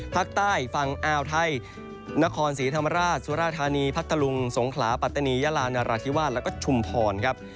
ภาคใต้ฝั่งอ่าวไทยนครศรีธรรมราชสุราธานีพัทธลุงสงขลาปัตตานียาลานราธิวาสแล้วก็ชุมพรครับ